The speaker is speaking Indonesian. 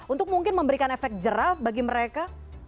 untuk mungkin memberikan efek jerah bagi mereka